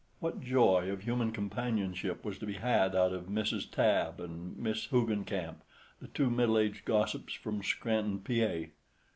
What joy of human companionship was to be had out of Mrs. Tabb and Miss Hoogencamp, the two middle aged gossips from Scranton, Pa.